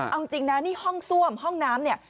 เอาจริงนะนี่ห้องซ่วมห้องน้ำเนี่ย